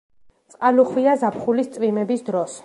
წყალუხვია ზაფხულის წვიმების დროს.